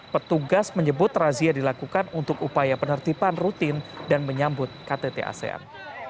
petugas menyebut razia dilakukan untuk upaya penertiban rutin dan menyambut ktt asean